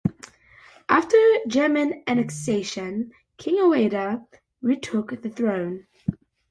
After German annexation, King Aweida retook the throne.